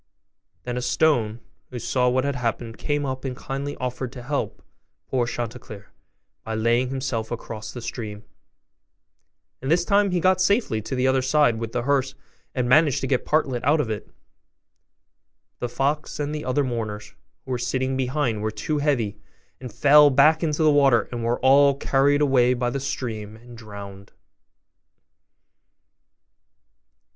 Then a stone, who saw what had happened, came up and kindly offered to help poor Chanticleer by laying himself across the stream; and this time he got safely to the other side with the hearse, and managed to get Partlet out of it; but the fox and the other mourners, who were sitting behind, were too heavy, and fell back into the water and were all carried away by the stream and drowned.